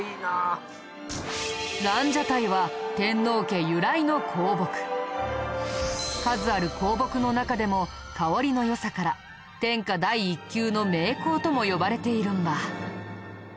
蘭奢待は数ある香木の中でも香りの良さから天下第一級の名香とも呼ばれているんだ。